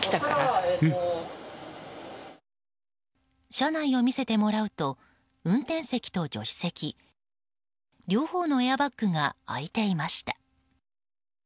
車内を見せてもらうと運転席と助手席両方のエアバッグが開いていました。